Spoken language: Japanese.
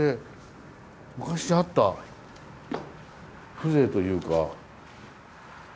昔あった風情というか。